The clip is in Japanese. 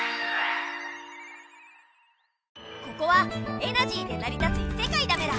ここはエナジーでなり立ついせかいだメラ。